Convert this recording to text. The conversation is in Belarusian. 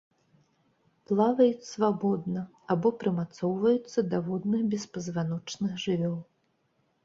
Плаваюць свабодна або прымацоўваюцца да водных беспазваночных жывёл.